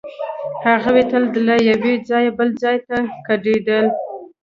هغوی تل له یوه ځایه بل ځای ته کډېدل.